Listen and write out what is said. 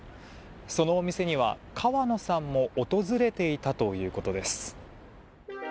そのお店には川野さんも訪れていたということです。